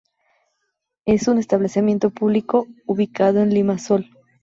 Es un establecimiento público ubicado en Limassol.